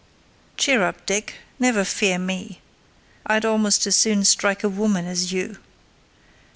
Cheer up, Dick!—never fear me!—I'd almost as soon strike a woman as you.